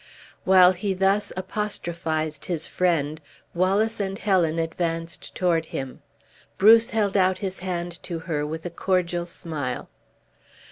While he thus apostrophized his friend, Wallace and Helen advanced toward him. Bruce held out his hand to her with a cordial smile.